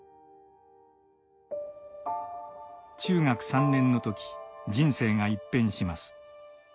中学３年の時人生が一変します。